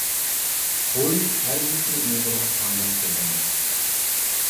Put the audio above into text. ئۇي ھەرگىزمۇ ئۇيغۇرغا تەڭداش سۆز ئەمەس.